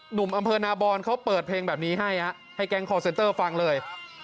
หนุ่มอำเภอนาบอนเขาเปิดเพลงแบบนี้ให้ให้แก๊งคอร์เซนเตอร์ฟังเลย